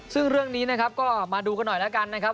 ซึ่งเรื่องนี้นะครับก็มาดูกันหน่อยแล้วกันนะครับ